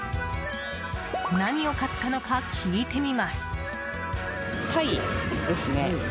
何を買ったのか聞いてみます。